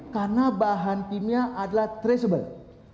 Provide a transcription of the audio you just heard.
karena bahan kimia adalah traceable